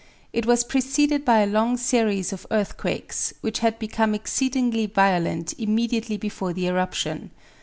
It was preceded by a long series of earthquakes, which had become exceedingly violent immediately before the eruption.